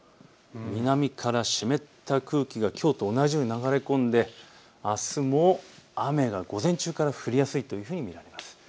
南から湿った空気がきょうと同じように流れ込んであすも雨が午前中から降りやすいというふうに見られます。